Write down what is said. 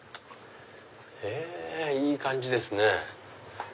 へぇいい感じですね。